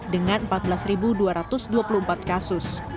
dengan empat belas dua ratus dua puluh empat kasus